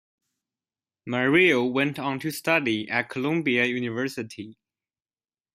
Mario went on to study at Columbia University.